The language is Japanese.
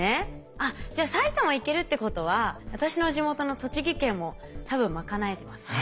あっじゃあ埼玉いけるってことは私の地元の栃木県も多分賄えてますね。